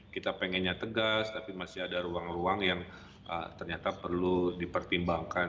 kita pengennya tegas tapi masih ada ruang ruang yang ternyata perlu dipertimbangkan